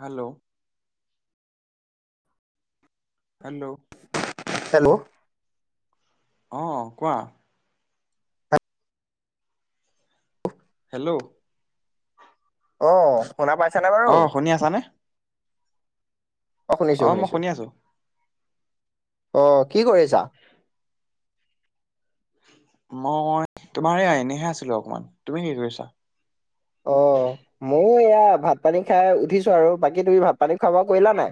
Hello. Hello. Hello. অ', কোৱা? Hello. অ', শুনা পাইছনে বাৰু? অ শুনি আছানে? অ' শুনিছো, মই শুনিছো শুনি আছো অ' কি কৰিছা? মই তোমাৰ এইয়া এনেইহে আছিলো অকমান, তুমি কি কৰিছা? অ' ময়ো এয়া ভাত পানী খাই উঠিছো আৰু বাকী তুমি ভাত, পানী খোৱা- বোৱা কৰিলা নাই?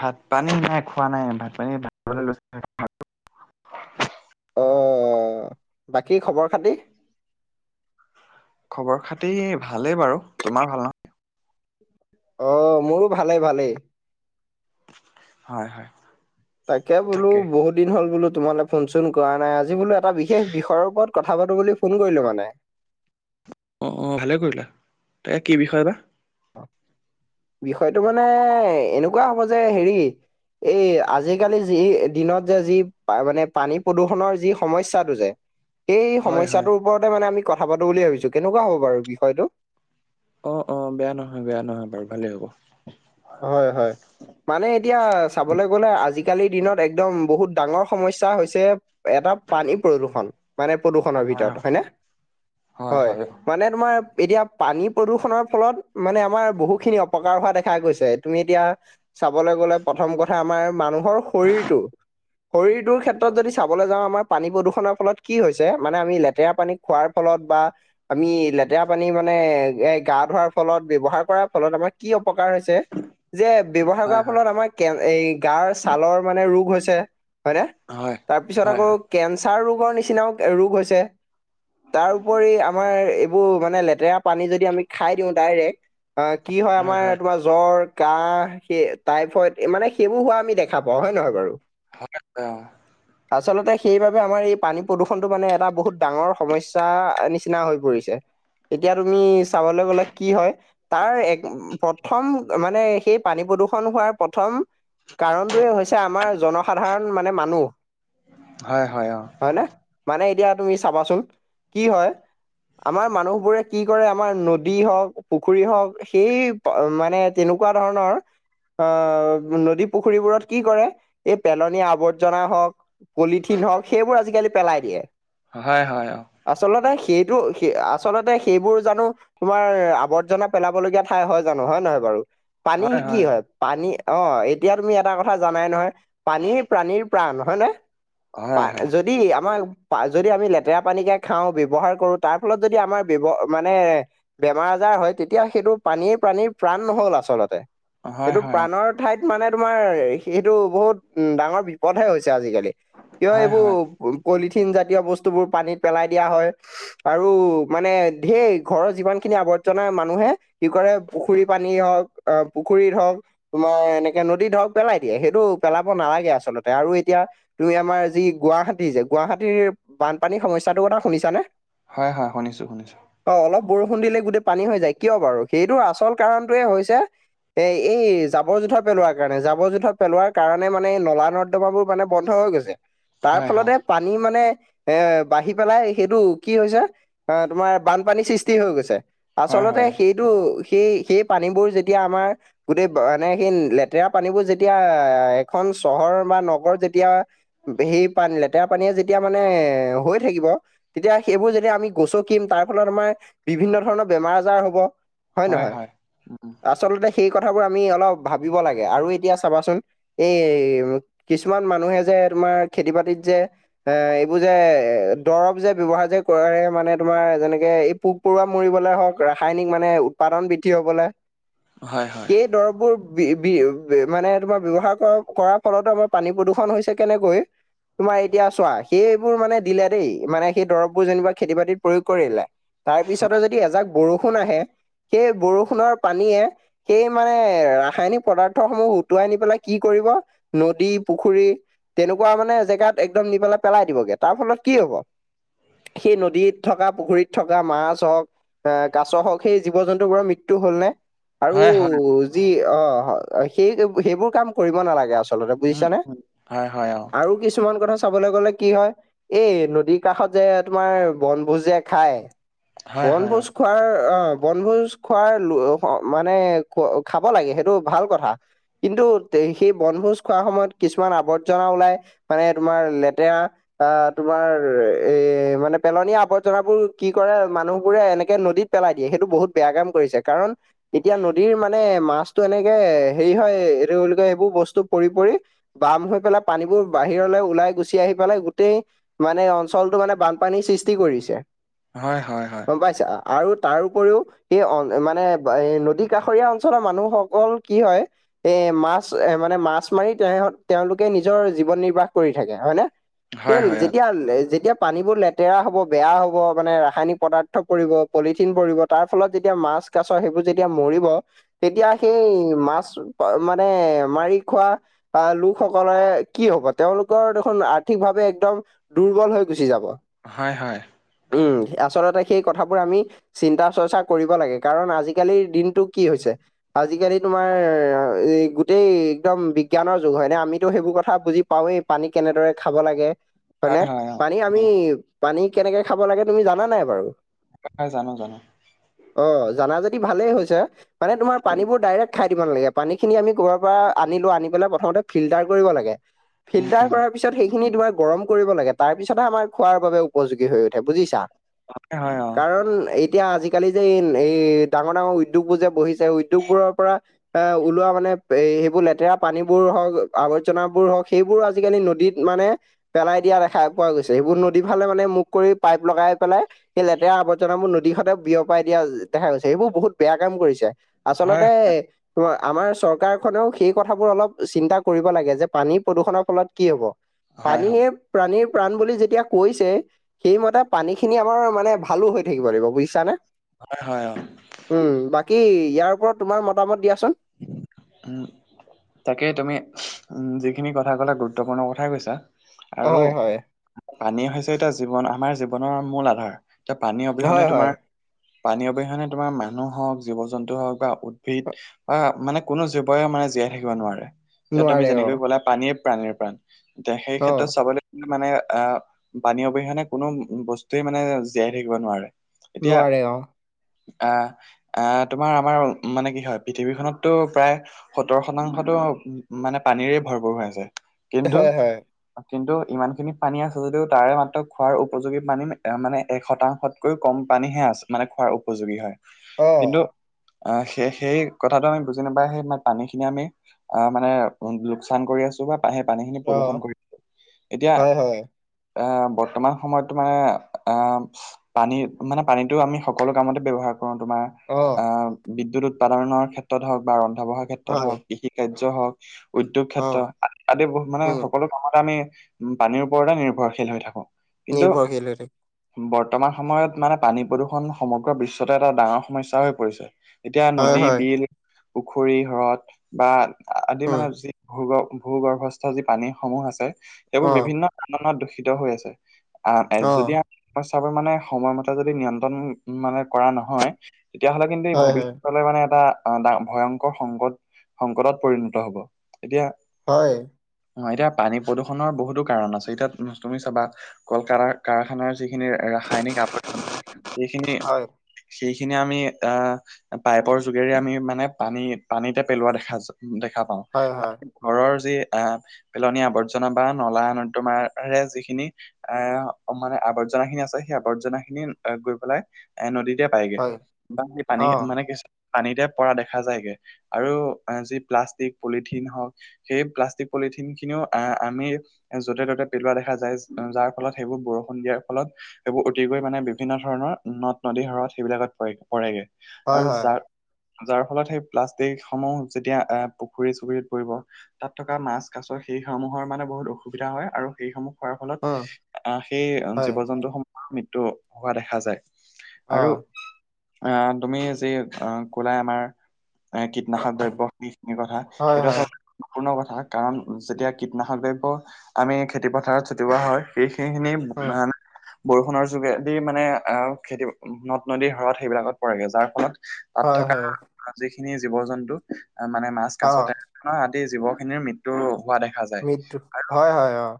ভাত, পানী নাই খোৱা নাই, ভাত, পানী ভাত লৈ অ' বাকী খবৰ- খাতি? খবৰ- খাতি ভালেই বাৰু, তোমাৰ ভাল ন? অ' মোৰো ভালেই, ভালেই। হয়, হয়। তাকে বোলো বহুত দিন হ'ল বোলো তোমালে ফোন চোন কৰা নাই। আজি বোলো এটা বিশেষ বিষয়ৰ ওপৰত কথা পাতো বুলি ফোন কৰিলো মানে। অ'হ, অ'হ ভালেই কৰিলা তাকে কি বিষয় বা? বিষয়টো মানে এনেকোৱা হব যে হেৰি এই আজিকালি যি দিনত যে যি মানে পানী প্ৰদূৰণৰ যি সমস্যাটো যে। সেই হয় সমস্যা হয় তোৰ ওপৰতে মানে আমি কথা পাতো বুলি ভাবিছো, কেনেকুৱা হব বাৰু বিষয়টো? অ', অ' বেয়া নহয়, বেয়া নহয়, বাৰু ভালেই হ'ব। হয়, হয়। মানে এতিয়া চাবলৈ গলে আজিকালিৰ দিনত একদম বহুত ডাঙৰ সমস্যা হৈছে। এটা পানী প্ৰদূষণ। মানে প্ৰদূষণৰ হয় ভিতৰত হয়নে হয় হয় মানে তোমাৰ এতিয়া পানী প্ৰদূষণৰ ফলত মানে আমাৰ বহুখিনি অপকাৰ হোৱা দেখা গৈছে। তুমি এতিয়া চাবলৈ গ'লে প্ৰথম কথা আমাৰ মানুহৰ শৰীৰটো। শৰীৰটোৰ ক্ষেত্ৰত যদি চাবলৈ যাওঁ আমাৰ পানী প্ৰদূষণৰ ফলত কি হৈছে মানে আমি লেতেৰা পানীত খোৱাৰ ফলত বা আমি লেতেৰা পানী মানে এ! গা ধোৱাৰ ফলত ব্যৱহাৰ কৰাৰ ফলত আমাৰ কি অপকাৰ হৈছে। [unintelligible] যে ব্যৱহাৰ হয় কৰাৰ হয় ফলত আমাৰ কে এই গাৰ ছালৰ মানে ৰোগ হৈছে হয়নে? হয় তাৰ পিছত হয় আকৌ কেঞ্চাৰ ৰোগৰ নিচিনাও ৰোগ হৈছে, তাৰোপৰি আমাৰ এইবোৰ মানে লেতেৰা পানী যদি আমি খাই দিওঁ ডাইৰেক্ট অ' কি হয়? আমাৰ তোমাৰ জ্বৰ। কাহ সেই টাইফইড মানে সেইবোৰ হোৱা আমি দেখা পাওঁ হয় নহয় বাৰু। হয় অ'। [unintelligible] আচলতে সেইবাবে আমাৰ এই পানী প্ৰদূষণটো মানে এটা বহুত ডাঙৰ সমস্যা নিচিনা হৈ পৰিছে। এতিয়া তুমি চাবলৈ গ'লে কি হয় তাৰ এক প্ৰথম মানে সেই পানী প্ৰদূষণ হোৱাৰ প্ৰথম কাৰণটোৱে হৈছে আমাৰ জনসাধাৰণ মানে মানুহ। হয় হয় অ' হয় ন, মানে এতিয়া তুমি চাবাচোন কি হয় আমাৰ মানুহবোৰে কি কৰে আমাৰ নদী হওক, পুখুৰী হওক সেই মানে তেনেকোৱা ধৰণৰ আ' নদী পুখুৰীবোৰত কি কৰে এই পেলনীয়া আৱৰ্জনা হওঁক পলিথিন হওঁক সেইবোৰ আজিকালি পেলাই দিয়ে। হয়, হয় অ' আচলতে সেইটো সে আচলতে সেইবোৰ জানো তোমাৰ আৱৰ্জনা পেলাব লগীয়া ঠাই হয় জানো হয় নহয় বাৰু পানী কি হয়। পানী অ' এতিয়া তুমি এটা কথা জানাই নহয় পানী প্ৰাণীৰ প্ৰাণ হয় নে? পা হয় হয় যদি আমাৰ পা যদি আমি লেতেৰা পানীকে খাওঁ ব্যৱহাৰ কৰো তাৰ ফলত যদি আমাৰ ব্যৱ মানে বেমাৰ আজাৰ হয় তেতিয়া সেইটো পানীৰ প্ৰাণীৰ প্ৰাণ নহয় আচলতে হয় সেইটো হয় প্ৰাণৰ ঠাইত মানে তোমাৰ সেইটো বহুত ডাঙৰ বিপদহে হৈছে আজিকালি। কিয় হয় এইবোৰ হয় পলিথিন জাতীয় বস্তুবোৰ পানীত পেলাই দিয়া হয়। আৰু মানে ধেৰ ঘৰৰ যিমান খিনি আৱৰ্জনা মানুহে কি কৰে পুখুৰী পানী হওঁক, আ পুখুৰীত হওঁক তোমাৰ এনেকে নদী ধৰক পেলাই দিয়ে সেইটো পেলাব নালাগে আচলতে আৰু এতিয়া তুমি আমাৰ যি গুৱাহাটী যে গুৱাহাটীৰ বানপানীৰ সমস্যাটোৰ কথা শুনিছানে? হয় হয়, শুনিছোঁ শুনিছোঁ। অ' অলপ বৰষুণ দিলে গোটেই পানী হৈ যায় কিয় বাৰু সেইটোৰ আচল কাৰণটোৱে হৈছে এ এই জাবৰ জোঁথৰ পেলোৱাৰ কাৰণে। জাবৰ জোথৰ পেলোৱাৰ কাৰণে মানে নলা নৰ্দমা বোৰ মানে বন্ধ হৈ গৈছে। তাৰ হয় হয় ফলতে পানী মানে এ বাঢ়ি পেলাই সেইটো কি হৈছে অ' তোমাৰ বানপানী সৃষ্টি হৈ গৈছে। হয় আচলতে সেইটো সেই সেই পানীবোৰ যে তিয়া আমাৰ গোটেই মানে সেই লেতেৰা পানীবোৰ যেতিয়া এখন চহৰ বা নগৰত যেতিয়া সেই পানী লেতেৰা পানীয়ে যেতিয়া মানে হৈ থাকিব। তেতিয়া সেইবোৰ যেতিয়া আমি গছকিম তাৰ ফলত আমাৰ বিভিন্ন ধৰণৰ বেমাৰ আজাৰ হ'ব। হয় নহয়? আচলতে সেই কথাবোৰ আমি অলপ ভাবিব লাগে আৰু এতিয়া চাবাচোন। এই কিছুমান মানুহে যে তোমাৰ খেতি বাতিত যে এ এইবোৰ যে এ দৰৱ যে ব্যৱহাৰ যে কৰে মানে তোমাৰ যেনেকে এই পোক পৰুৱা মৰিবলে হওক, ৰাসায়নিক মানে উৎপাদন বৃদ্ধি হ'বলৈ। হয় হয়। দৰববোৰ বি বি মানে তোমাৰ ব্যৱহাৰ কৰাৰ ফলতো আমাৰ পানী প্ৰদূষণ হৈছে কেনেকৈ তোমাৰ এতিয়া চোৱা সেইবোৰ মানে দিলে দেই মানে সেই দৰববোৰ যেনিবা খেতি বাতিত প্ৰয়োগ কৰিলে। তাৰ পিছতে যদি এজাক বৰষুণ আহে সেই বৰষুণৰ পানীয়ে সেই মানে ৰাসায়নিক পদাৰ্থ সমূহ উুটুৱাই নি পেলাই কি কৰিব নদী, পুখুৰী। তেনেকুৱা মানে জেগাত একদম নি পেলাই-পেলাই দিবগে, তাৰ ফলত কি হ'ব? সেই নদীত থকা পুখুৰীত থকা মাছ হওক অ, কাছৰ হওক সেই জীৱ জন্তু বোৰৰ মৃত্যু হ'ল নে? আৰু হয় হয় যি অ' সেই সেইবোৰ কাম কৰিব নালাগে। আচ আচলতে উম বুজিছা নে? হয় হয় অ আৰু কিছুমান কথা চাবলৈ গলে কি হয়, এই নদীৰ কাষত যে তোমাৰ বনভোজ যে খায়। হয় হয় বনভোজ অ খোৱাৰ আহ বনভোজ খোৱাৰ মানে খাব লাগে সেইটো ভাল কথা। কিন্তু সেই বনভোজ খোৱাৰ সময়ত কিছুমান আৱৰ্জনা ওলাই। মানে তোমাৰ লেতেৰা অ, তোমাৰ এ মানে পেলনীয়া আৱৰ্জনাবোৰ কি কৰে মানুহ বোৰে এনেকে নদীত পেলাই দিয়ে সেইটো বহুত বেয়া কাম কৰিছে। কাৰণ এতিয়া নদীৰ মানে মাছতটো এনেকে হেৰি হয়। এইটো বুলি কয় এইবোৰ বস্তু পৰি - পৰি বাম হৈ পেলাই পানীবোৰ বাহিৰলৈ ওলাই গুচি আহি পেলাই গোটেই মানে অঞ্চলটো মানে বানপানীৰ সৃষ্টি কৰিছে। হয়-হয়-হয়। গম পাইছ আৰু তাৰ উপৰিও সেই মানে বা এই নদী কাষৰীয়া অঞ্চলৰ মানুহসকল কি হয় এ মাছ এ মানে মাছ মাৰি তেওঁ - তেওঁলোকে নিজৰ জীৱন নিৰ্বাহ কৰি থাকে। হয় নে? সেই হয় হয় যেতিয়া - যেতিয়া পানীবোৰ লেতেৰা হ'ব, বেয়া হ'ব মানে ৰাসায়নিক পদাৰ্থ পৰিব, পলিথিন পৰিব। তাৰ ফলত যেতিয়া মাছ মাছ সেইবোৰ যেতিয়া মৰিব তেতিয়া সেই মাছ মানে মাৰি খোৱা। আহ লোকসকলে কি হব তেওঁলোকৰ দেখোন আৰ্থিকভাৱে একদম দুৰ্বল হৈ গুচি যাব। হয় - হয়। উম, আচলতে সেই কথাবোৰ আমি চিন্তা চৰ্চা কৰিব লাগে। কাৰণ আজিকালিৰ দিনটো কি হৈছে? আজিকালি তোমাৰ এই গোটেই একদম বিজ্ঞানৰ যুগ হয় নে আমিতো সেইবোৰ কথা বুজি পাওৱেই পানী কেনেদৰে খাব লাগে হয় হয়নেে হয় অ পানী আমি উম, পানী কেনেকে খাব লাগে তুমি জানা নাই বাৰু? হয় জানো - জানো। অ, জানা যদি ভালেই হৈছে। মানে তোমাৰ পানীবোৰ ডাৰেক খাই দিব নালাগে। পানীখিনি আমি ঘৰৰ পৰা আনো আনি পেলাই প্ৰথমতে ফিল্টাৰ কৰিব লাগে উম ফিল্টাৰ উম কৰা তাৰপিছত সেইখিনি তোমাৰ গৰম কৰিব লাগে। তাৰ পিছতহে আমাৰ খোৱাৰ বাবে উপযোগী হৈ উঠে বুজিছা। হয় হয় কাৰণ এতিয়া আজিকালি যে এই ডাঙৰ - ডাঙৰ উদ্যোগবোৰ যে বহি উদ্যোগবোৰৰ পৰা এ ওলোৱা মানে এ সেইবোৰ লেতেৰা পানীবোৰ হওক আৱৰ্জনাবোৰ হওক সেইবোৰ আজিকালি নদীত মানে পেলাই দিয়া দেখা পোৱা গৈছে। সেইবোৰ নদী ফালে মানে মুখ কৰি পাইপ লগাই পেলাই সেই লেতেৰা আৱৰ্জনাবোৰ নদীখনতে বিয়পাই দিয়া য দেখা গৈছে সেইবোৰ বহুত বেয়া কাম কৰিছে অ হয় আচলতে ত আমাৰ চৰকাৰখনেও সেই কথাবোৰ অলপ চিন্তা কৰিব লাগে যে পানী প্ৰদূষণৰ ফলত কি হব। হয় হয় পানীয়ে প্ৰাণীৰ প্ৰাণ বুলি যেতিয়া কৈছে। সেইমতে পানীখিনি আমাৰ মানে ভালো হৈ থাকিব লাগিব বুজিছানে? হয় - হয় - হয়। উম, বাকী ইয়াৰ ওপৰত তোমাক মতামত দিয়াচোন। উম, তাকেই তুমি যিখিনি কথা ক'লা গুৰুত্বপূৰ্ণ কথাই কৈছা। আৰু হয়, হয়, পানী হৈছে এতিয়া জীৱন আমাৰ জীৱনৰ মূল আধাৰ। এতিয়া পানী অবিহনে হয়, হয়, তোমাৰ পানী অবিহনে তোমাৰ মানুহ হওক জীৱ জন্তু হওক বা উদ্ভিদ হয়, হয়। মানে কোনো জীৱই‌ মানে জীয়াই থাকিব নোৱাৰে এতিয়া তুমি নোৱাৰে যেনেকৈ অ', কলা পানীয়ে প্ৰাণীৰ প্ৰাণ। তহ সেই অ', ক্ষেত্ৰত চাবলৈ মানে আহ পানী অবিহনেে কোনো বস্তুৱে মানে জীয়াই থাকিব নোৱাৰে। এতিয়া নোৱাৰে অ'। আহ আহ তোমাৰ আমাৰ মানে কি হয় পৃথিৱীখনতটো প্ৰায় সত্তৰ শতাংশতো মানে পানীৰে ভৰপূৰ হৈ আছে। কিন্তু হয়, হয়, কিন্তু ইমানখিনি পানী আছে যদিও তাৰে মাত্ৰ খোৱাৰ উপযোগী পানী মানে এক শতাংশত কৈ কম পানীহে আছে। মানে খোৱাৰ উপযোগী হয়। কিন্তু অ', আহ সেই সেই কথাটো আমি বুজি নাপায় সে ইমান পানী খিনি আমি অহ মানে লোকচান কৰি আছো বা সেই পানী খিনি প্ৰদূষন অ', কৰি এতিয়া হয়, হয়, আহ, বৰ্তমান সময়তো মানে আহ পানীৰ মানে পানীতো আমি সকলো কামতে ব্যৱহাৰ কৰো তোমাৰ অহ অহ বিদ্যুৎ উৎপাদনৰ ক্ষেত্ৰত হওঁক বা ৰন্ধা বঢ়াৰ ক্ষেত্ৰত হয়, হওক কৃষি কাৰ্য্য হওঁক উদ্যোগ ক্ষেত্ৰ অ', আদি আদি মানে উম, সকলো কামতে আমি পানীৰ ওপৰতে নিৰ্ভৰশীল হৈ থাকোঁ। নিৰ্ভৰশীল হৈ থাকে। বৰ্তমান সময়ত মানে পানী প্ৰদূষণ সমগ্ৰ বিশ্বতে এটা ডাঙৰ সমস্যা হৈ পৰিছে। এতিয়া হয়, নদী, হয়, বিল, পুখুৰী, হ্ৰদ বা আদি উম, মানে যি ভূগ ভূ গৰ্ভস্থ যি পানীসমূহ আছে, সেইবোৰ অ', বিভিন্ন কাননত দূষিত হৈ আছে। আহ, অ', এহ মই চাব মানে, সময়মতে যদি নিয়ন্ত্ৰণ মানে কৰা নহয় তেতিয়াহলে কিন্তু এই হয়, হয়, ভৱিষ্যলৈ মানে এটা আহ, ডাঙৰ ভয়ংকৰ সংকট সংকটত পৰিণত হব। এতিয়া হয়। অ এতিয়া পানী প্ৰদূষণৰ বহুতো কাৰণ আছে, এতিয়া তুমি চাবা কলকাৰা কাৰখানাৰ যিখিনি ৰাসায়নিক আৱৰ্জনা সেইখিনি হয়। সেইখিনি আমি আহ, পাইপৰ যোগেৰে আমি মানে পানী পানীতে পেলোৱা দেখা যায়। দেখা পাওঁ। হয়, হয়, হয়, ঘৰৰ যি আহ, পেলনীয়া আৱৰ্জনা বা নলা নৰ্দমাৰে যিখিনি এহ মানে আৱৰ্জনা খিনি আছে। সেই আৱৰ্জনা খিনি গৈ পেলাই এহ নদীতে পায়গে বা সেই পানী অ', মানে কিছুমান পানীতে পৰা দেখা যায়গে। আৰু যি প্লাষ্টিক পলিথিন হওক সেই প্লাষ্টিক পলিথিন খিনিও, আহ আমি যতে ততে পেলোৱা দেখা যায়। য যাৰ ফলত সেইবোৰ বৰষুণ দিয়াৰ ফলত সেইবোৰ অতিকৈ মানে বিভিন্ন ধৰণৰ নদ, নদী, হ্ৰদ সেইবিলাকত পৰে পৰেগে হয়, আৰু হয়, যাৰ যাৰ ফলত সেই প্লাষ্টিক সমূহ যেতিয়া আহ পুখুৰী চুখুৰীত পৰিব তাত থকা মাছ কাছৰ সেই সমূহৰ মানে বহুত অসুবিধা হয় আৰু সেইসমূহ হোৱাৰ উম, ফলত আহ সেই হয়, জীৱ জন্তু সমূহৰ মৃত্যু হোৱা দেখা যায়। আৰু অ', আহ, তুমি যি কলাই আমাৰ এই কীটনাশক দ্ৰব্য সিখিনি কথা, হয়, সেইটো হয়, আচলতে সম্পূৰ্ণ কথা, কাৰণ যেতিয়া কীটনাশক দ্ৰব্য আমি খেতি পথাৰত ছটিওৱা হয়। সেই সেই খিনি উম, বৰষুণৰ যোগেদি মানে আহ খেতি নদ নদীৰ হ্ৰদ সেইবিলাকত পৰেগৈ যাৰ ফলত তাত হয়, থকা হয়, যিখিনি জীৱ জন্তু মানে মাছ, কাছ অ', তেনেধৰৰ আদি জীৱ খিনিৰ মৃত্যু মৃত্যু হোৱা দেখা যায়। মৃত্যু আৰু হয় হয়, অহ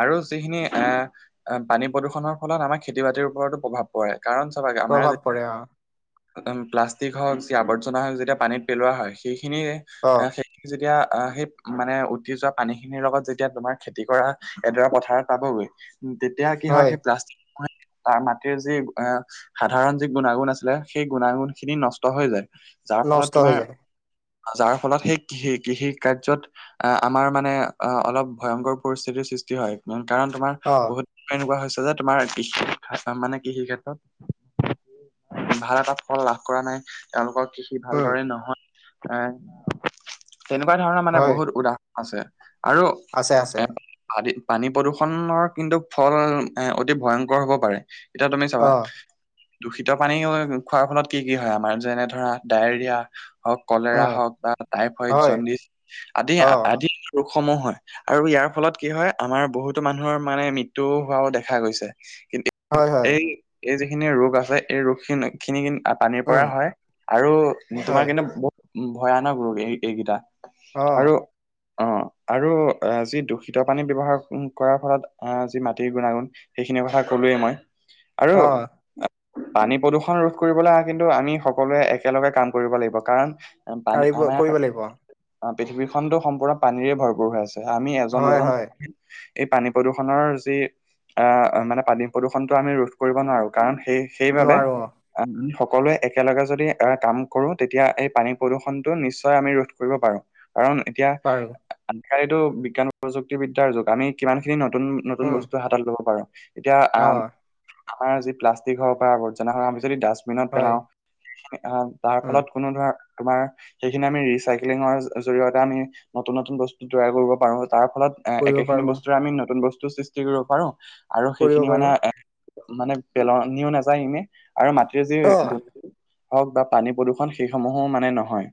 আৰু যিখিনি আহ পানী প্ৰদূষণৰ ফলত আমাৰ খেতি বাতিৰ ওপৰতো প্ৰভাৱ পৰে, কাৰণ চাবা আমাৰ প্ৰভাৱ পৰে অ যেতিয়া প্লাষ্টিক হওক, যি আৱৰ্জনা হওক, যেতিয়া পানীত পেলোৱা হয়। সেইখিনিয়ে এই অ তুমি যেতিয়া অহ সেই মানে উটি যোৱা পানী খিনিৰ লগত যেতিয়া তোমাৰ কৰা এডৰা পথাৰত পাবগৈ তেতিয়া কি হয় সেই প্লাষ্টিক তাৰ মাটিৰ যি এ সাধাৰণ যি গুণাগুন আছিলে, সেই গুণাগুন খিনি নষ্ট হৈ যায়। যাৰ ফলত নষ্ট হৈ তোমাৰ যায় যাৰ ফলত সেই কৃষি কৃষি কাৰ্যত আ' আমাৰ মানে অ' অলপ ভয়ংকৰ পৰিস্থিতিৰ সৃষ্টি হয়। কাৰণ তোমাৰ অ বহুত এনেকুৱা হৈছে যে তোমাৰ কৃষি মানে কৃষি ক্ষেত্ৰত ভাল এটা ফল লাভ কৰা নাই তেওঁলোকৰ কৃষি উম ভালদৰে নহয় এ তেনেকুৱা ধৰণৰ মানে হয় বহুত উদাহৰণ আছে আৰু আছে আছে। পানী পানী প্ৰদূৰণৰ কিন্তু ফল এ অতি ভয়ংকৰ হব পাৰে। এতিয়া তুমি অ চাবা দূষিত পানী খোৱাৰ ফলত কি কি হয় আমাৰ যেনে ধৰা ডায়েৰিয়া। হওঁক, কলেৰা উম হওঁক বা টাইফয়ড, হয় জণ্ডিছ আদি অ আদি ৰোগসমূহ হয়। আৰু ইয়াৰ ফলত কি হয় আমাৰ বহুতো মানুহৰ মানে মৃত্যু হোৱাও দেখা গৈছে। কিন্তু হয় হয় এই এই যিখিনি ৰোগ আছে এই ৰোগ খিনি খিনি পানীৰ পৰা উম হয়, আৰু তোমাৰ হয় কিন্তু বহুত ভয়ানক ৰোগ এই এইকেইটা। অ আৰু অ' আৰু অ' যি দূষিত পানী ব্যৱহাৰ কৰাৰ ফলত যি মাটিৰ গুণাগুণ। সেইখিনি কথা কলোৱেই মই আৰু অ পানী প্ৰদূষণ ৰোধ কৰিবলৈ আ কিন্তু আমি সকলোৱে একেলগে কাম কৰিব লাগিব কাৰণ পানী কাৰিব আমাৰ কৰিব লাগিব পৃথিৱী খনতো সম্পূৰ্ণ পানীৰে ভৰপূৰ হৈ আছে। আমি এজন হয় দুজন হয় এই পানী প্ৰদূৰ্ষনৰ যি আ' মানে পানী প্ৰদূষণটো আমি ৰোধ কৰিব নোৱাৰো কাৰণ সেই সেইবাবে নোৱাৰো অ আমি সকলোৱে একেলগে যদি আহ কাম কৰো তেতিয়া এই পানী প্ৰদূষণটো নিশ্চয় আমি ৰোধ কৰিব পাৰোঁ। কাৰণ এতিয়া পাৰো আনফালেটো বিজ্ঞান প্ৰযুক্তিবিদ্যাৰ যুগ আমি কিমান খিনি নতুন নতুন উম বস্তু হাতত লব পাৰোঁ। এতিয়া অ আহ আমাৰ যি প্লাষ্টিক হওঁক বা আৱৰ্জনা হয় আমি যদি ডাষ্টবিনত হয় পেলাও তাৰ উম ফলত কোনো ধৰা তোমাৰ সেইখিনি আমি ৰিচাইকিলিঙৰ জৰিয়তে আমি নতুন নতুন বস্তু তৈয়াৰ কৰিব পাৰো তাৰ ফলত কৰিব একেখিনি পাৰো বস্তুৰে আমি নতুন বস্তু সৃষ্টি কৰিব পাৰোঁ। আৰু কৰিব সেইখিনি মানে পাৰো এ মানে পেলনিও নাযায় ইনে আৰু মাটিৰৰে যি অ গো হওঁক বা পানী প্ৰদূৰ্ষণ সেই সমূহো মানে নহয়।